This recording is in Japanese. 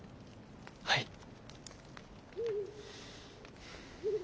はい。